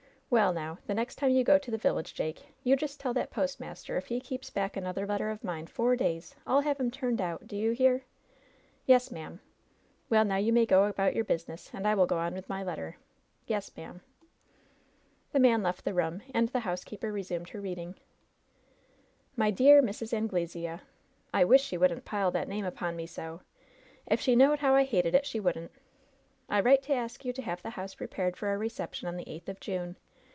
Well, now the next time you go to the village, Jake, you just tell that postmaster if he keeps back another letter of mine four days, I'll have him turned out. Do ye hear ?" "Yes, ma'am." "Well, now you may go about your business, and I will go on with my letter." "Yes, ma'am," 80 LOVE'S BITTEREST CUP The man left the room, and the housekeeper resumed her reading: " ^My Dear Mbs. Anqlesea^ : I wish she wouldn't pile that name upon me so ! If she knowed how I hated it she wouldn't. ^I write to ask you to have the house prepared for our reception on the eighth of June.